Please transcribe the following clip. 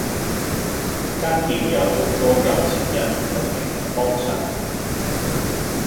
間店有好多有錢人同名人幫襯